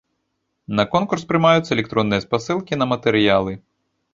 На конкурс прымаюцца электронныя спасылкі на матэрыялы.